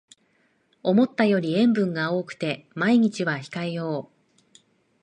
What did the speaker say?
思ったより塩分が多くて毎日は控えよう